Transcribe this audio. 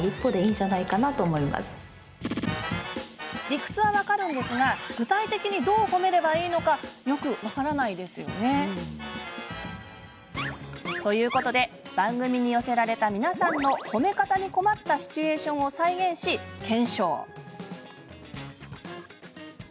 理屈は分かりますが具体的にどう褒めればいいのかよく分からないですよね？ということで番組に寄せられた皆さんの褒め方に困ったシチュエーションを再現し検証！